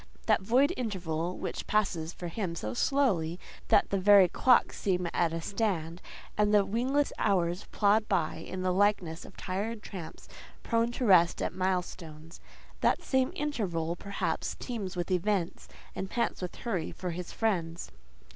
That void interval which passes for him so slowly that the very clocks seem at a stand, and the wingless hours plod by in the likeness of tired tramps prone to rest at milestones—that same interval, perhaps, teems with events, and pants with hurry for his friends.